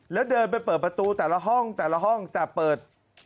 แล้วเดินไปเปิดประตูแต่ละห้องแต่ละห้องแต่เปิด